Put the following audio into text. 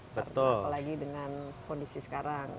apalagi dengan kondisi sekarang